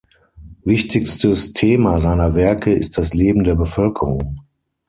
Wichtigstes Thema seiner Werke ist das Leben der Bevölkerung.